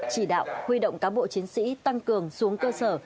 chỉ đạo huy động cán bộ chiến sĩ tăng cường xuống cơ sở